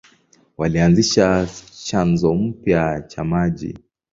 Walianzisha chanzo mpya cha maji.